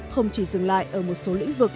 không chỉ dừng lại ở một số lĩnh vực